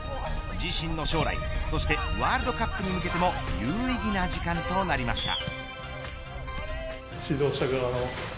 自身の将来そしてワールドカップに向けても有意義な時間となりました。